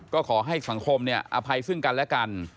ก็ขอให้สังคมอภัยซึ่งกันและกัน